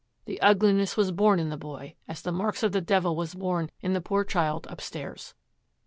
The ugliness was born in the boy as the marks of the devil was born in the poor child upstairs.'